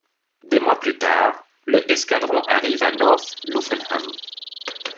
Des mois plus tard, le Escadron arrive à North Luffenham.